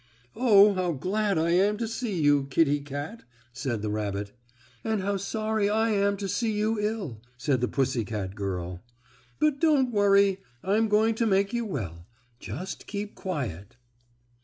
"Oh, how glad I am to see you, Kittie Kat," said the rabbit. "And how sorry I am to see you ill," said the pussy girl. "But don't worry. I'm going to make you well. Just keep quiet."